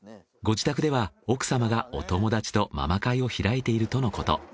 ご自宅では奥様がお友達とママ会を開いているとのこと。